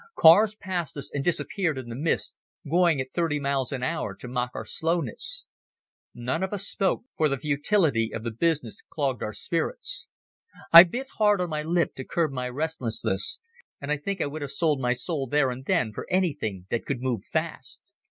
Cars passed us and disappeared in the mist, going at thirty miles an hour to mock our slowness. None of us spoke, for the futility of the business clogged our spirits. I bit hard on my lip to curb my restlessness, and I think I would have sold my soul there and then for anything that could move fast.